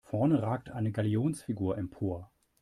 Vorne ragt eine Galionsfigur empor.